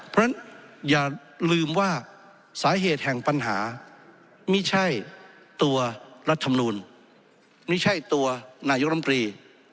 เพราะฉะนั้นอย่าลืมว่าสาเหตุแห่งปัญหาไม่ใช่ตัวรัฐมนูลไม่ใช่ตัวนายกรรมตรี